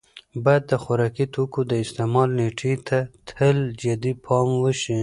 باید د خوراکي توکو د استعمال نېټې ته تل جدي پام وشي.